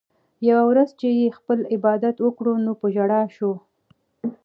يوه ورځ چې ئې خپل عبادت وکړو نو پۀ ژړا شو